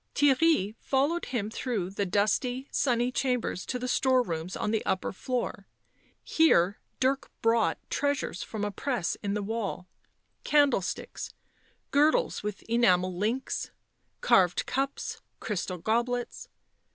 Theirry followed him through the dusty, sunny chambers to the store rooms on the upper floor. Here Dirk brought treasures from a press in the wall ; candle sticks, girdles with enamel links, carved cups, crystal goblets.